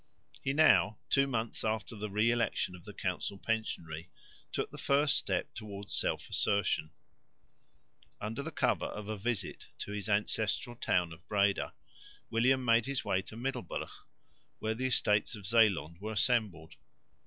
He now, two months after the re election of the council pensionary, took the first step towards self assertion. Under cover of a visit to his ancestral town of Breda, William made his way to Middelburg, where the Estates of Zeeland were assembled.